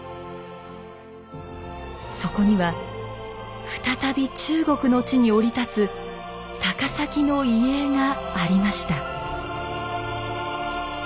そこには再び中国の地に降り立つ高碕の遺影がありました。